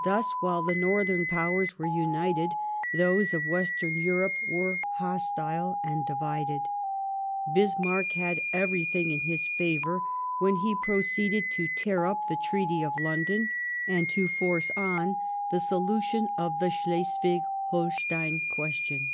Thus, while the Northern Powers were united, those of Western Europe were hostile and divided. Bismarck had everything in his favour when he proceeded to tear up the Treaty of London and to force on the solution of the Scbleswig Holstein question.